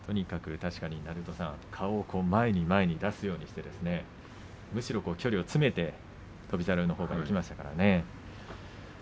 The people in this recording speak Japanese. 確かに顔を前に前に出すようにして距離を詰めて翔猿のほうがいきましたよね。